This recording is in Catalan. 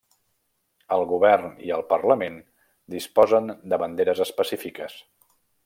El govern i el Parlament disposen de banderes específiques.